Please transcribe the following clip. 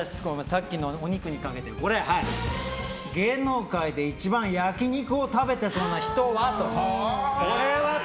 さっきのお肉にかけて芸能界で一番焼き肉を食べてそうな人といえば。